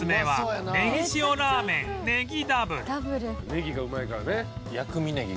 ネギがうまいからね。